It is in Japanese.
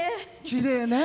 きれいね。